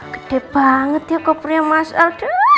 gede banget ya kopernya mas aldo